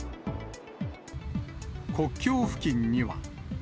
国境付近には。